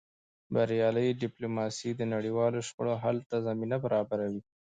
بریالۍ ډیپلوماسي د نړیوالو شخړو حل ته زمینه برابروي.